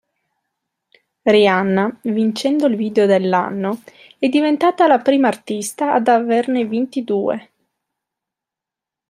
Rihanna, vincendo il video dell'anno, è diventata la prima artista ad averne vinti due.